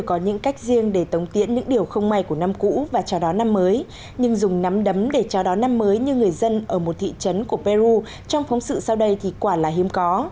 chào đón năm mới như người dân ở một thị trấn của peru trong phóng sự sau đây thì quả là hiếm có